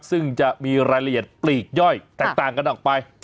ซึ่งจะมีรายละเอียดปลีกย่อยแตกต่างกันออกไป